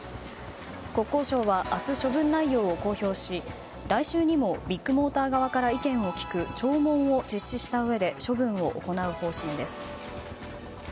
国交省は明日、処分内容を公表し来週にもビッグモーター側から意見を聞く聴聞を実施したうえで処分を行う方針です。